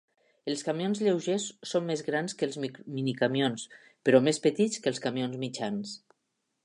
Els camions lleugers són més grans que els minicamions, però més petits que els camions mitjans.